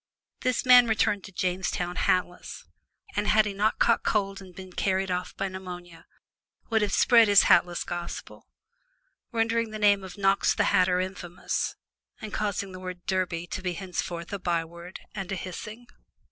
This man returned to Jamestown hatless, and had he not caught cold and been carried off by pneumonia, would have spread his hatless gospel, rendering the name of Knox the Hatter infamous, and causing the word "Derby" to be henceforth a byword and a hissing.